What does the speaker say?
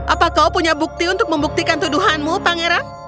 apa kau punya bukti untuk membuktikan tuduhanmu pangeran